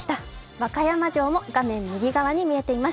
和歌山城も画面右側に見えています。